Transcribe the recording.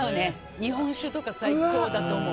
日本酒とか最高だと思う。